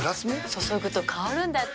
注ぐと香るんだって。